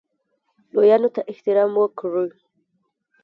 لویانو ته احترام وکړئ